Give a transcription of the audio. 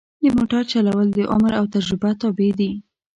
د موټر چلول د عمر او تجربه تابع دي.